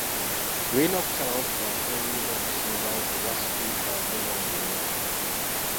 Birina okusalawo ku bantu be birina okusimbawo ku bwasipiika wamu n'omumyuka